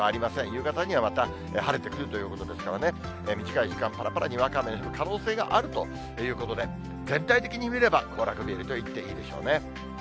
夕方にはまた晴れてくるということですからね、短い時間、ぱらぱらにわか雨降る可能性あるということで、全体的に見れば行楽日和と言っていいでしょうね。